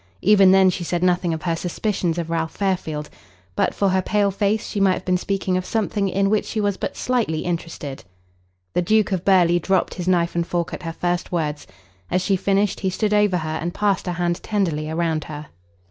Even then she said nothing of her suspicions of Ralph Fairfield. But for her pale face she might have been speaking of something in which she was but slightly interested. The Duke of Burghley dropped his knife and fork at her first words. As she finished, he stood over her and passed a hand tenderly around her.